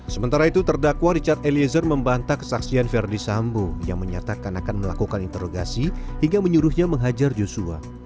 sementara itu terdakwa richard eliezer membantah kesaksian verdi sambo yang menyatakan akan melakukan interogasi hingga menyuruhnya menghajar joshua